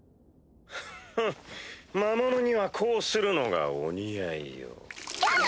フッ魔物にはこうするのがお似合いよ。キャっ！